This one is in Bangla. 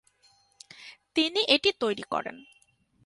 তিনি এটি তৈরী করেন।